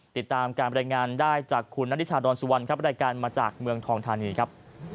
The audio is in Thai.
ติดตามการบรรยายงานได้จากคุณนัทชาดอนสุวรรณครับรายการมาจากเมืองทองธานีครับ